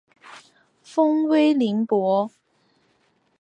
封威宁伯。